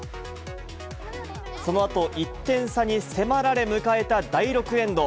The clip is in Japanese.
このあと１点差に迫られ、迎えた第６エンド。